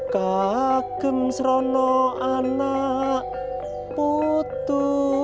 kau mencari anak putu